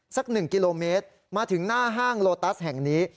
๑กิโลเมตรมาถึงหน้าห้างโลตัสแห่งนี้